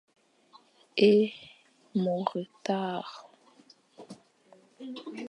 Ê mo tare.